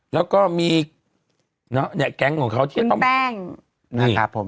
แล้วก็มีเนอะเนี่ยแก๊งของเขาที่จะต้องแจ้งนี่ครับผม